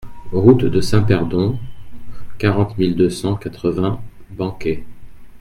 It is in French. Route de Saint-Perdon, quarante mille deux cent quatre-vingts Benquet